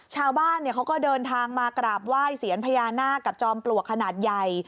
ชาวบ้านเขาก็เดินทางมากราบไหว้เสียนพญานาคกับจอมปลวกขนาดใหญ่